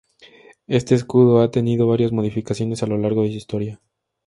Este escudo ha tenido varias modificaciones a lo largo de su historia.